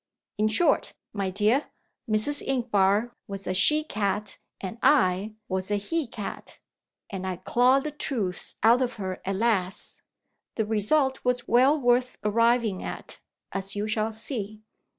In short, my dear, Mrs. Inchbare was a she cat, and I was a he cat and I clawed the truth out of her at last. The result was well worth arriving at, as you shall see.